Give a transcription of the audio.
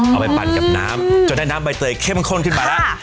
ไปปั่นกับน้ำจนได้น้ำใบเตยเข้มข้นขึ้นมาแล้ว